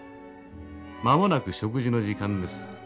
間もなく食事の時間です。